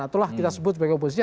itulah kita sebut sebagai oposisi